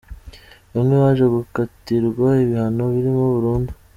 Bamwe baje gukatirwa ibihano birimo burundu